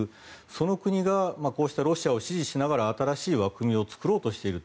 その国が、こうしたロシアを支持しながら新しい枠組みを作ろうとしている。